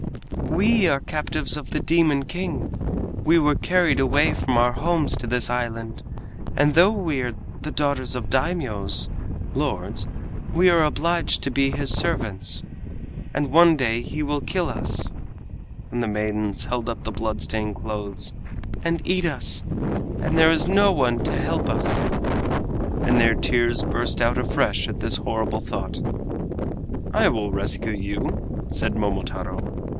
"We are captives of the Demon King. We were carried away from our homes to this island, and though we are the daughters of Daimios (Lords), we are obliged to be his servants, and one day he will kill us"—and the maidens held up the blood stained clothes—"and eat us, and there is no one to help us!" And their tears burst out afresh at this horrible thought. "I will rescue you," said Momotaro.